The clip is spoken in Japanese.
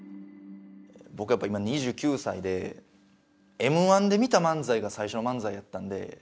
僕やっぱ今２９歳でＭ−１で見た漫才が最初の漫才やったんで。